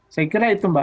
saya kira itu mbak